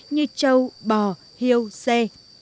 như châu bò heo dê